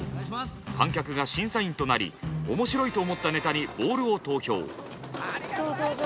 観客が審査員となりおもしろいと思ったネタにボールを投票。